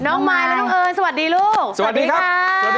น้องมายและน้องเอิญสวัสดีลูกสวัสดีค่ะสวัสดีครับ